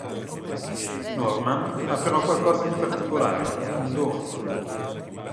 Norman ha però qualcosa di particolare, un dono.